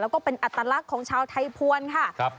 แล้วก็เป็นอัตลักษณ์ของชาวไทยภวรค่ะ